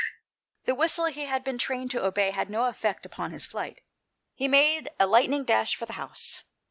The whistle he had been trained to obey had no effect upon his flight ; he made a lightning dash for the house.